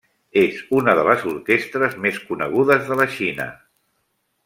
És una de les orquestres més conegudes de la Xina.